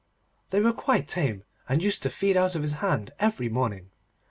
They were quite tame, and used to feed out of his hands every morning.